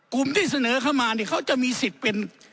กลุ่มที่เสนอเข้ามาเนี่ยเขาจะมีสิทธิ์เป็น